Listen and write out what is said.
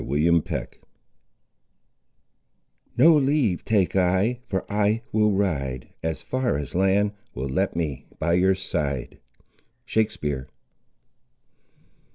CHAPTER XXXIII —No leave take I; for I will ride As far as land will let me, by your side. —Shakespeare.